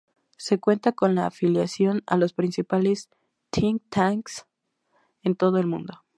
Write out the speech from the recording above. Se cuenta con la afiliación a los principales think tanks en todo el mundo.